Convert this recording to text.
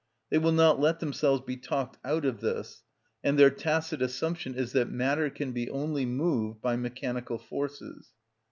They will not let themselves be talked out of this, and their tacit assumption is that matter can only be moved by mechanical forces.